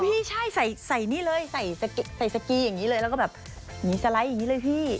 พี่ใช่ใส่นี่เลยใส่สกีอย่างนี้เลยแล้วก็แบบมีสไลด์อย่างนี้เลยพี่